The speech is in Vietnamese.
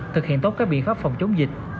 thực hiện tốt các biện pháp phòng chống dịch